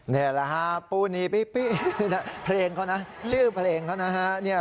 นี่แหละฮะปูนีปี้เพลงเขานะชื่อเพลงเขานะฮะ